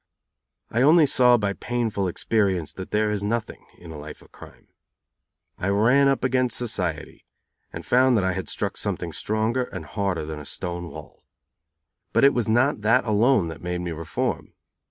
I only saw by painful experience that there is nothing in a life of crime. I ran up against society, and found that I had struck something stronger and harder than a stone wall. But it was not that alone that made me reform.